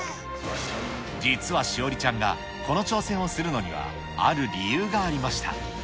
実は志織ちゃんが、この挑戦をするのには、ある理由がありました。